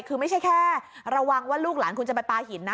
คือไม่ใช่แค่ระวังว่าลูกหลานคุณจะไปปลาหินนะ